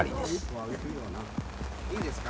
いいですか？